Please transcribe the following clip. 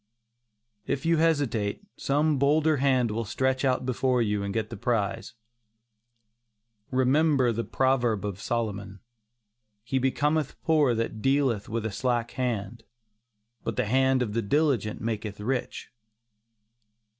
If you hesitate, some bolder hand will stretch out before you and get the prize. Remember the proverb of Solomon: "He becometh poor that dealeth with a slack hand; but the hand of the diligent maketh rich."